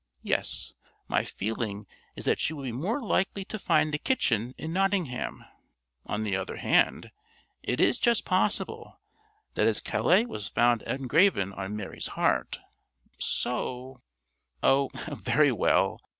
"Yes. My feeling is that you would be more likely to find the kitchen in Nottingham. On the other hand, it is just possible that as Calais was found engraven on Mary's heart, so Oh, very well.